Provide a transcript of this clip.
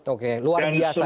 oke luar biasa ya pak